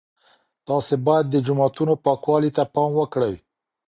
تاسي باید د جوماتونو پاکوالي ته پام وکړئ.